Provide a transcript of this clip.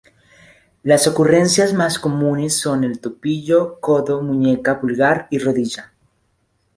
Las ocurrencias más comunes son en el tobillo, codo, muñeca, pulgar y rodilla.